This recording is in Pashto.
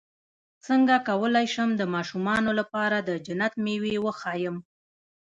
څنګه کولی شم د ماشومانو لپاره د جنت مېوې وښایم